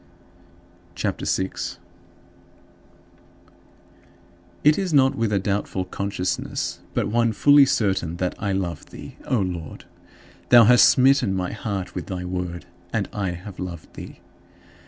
CHAPTER VI 8. It is not with a doubtful consciousness, but one fully certain that I love thee, O Lord. Thou hast smitten my heart with thy Word, and I have loved thee.